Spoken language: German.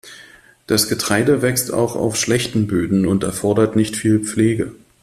Das Getreide wächst auch auf schlechten Böden und erfordert nicht viel Pflege.